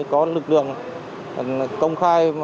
có lực lượng công khai